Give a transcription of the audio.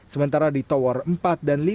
sementara di tower empat dan lima